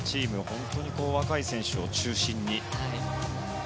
本当に若い選手を中心に。